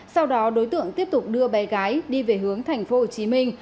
sau đó đối tượng tiếp tục đưa bé gái đi về hướng thành phố hồ chí minh